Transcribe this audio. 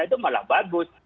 itu malah bagus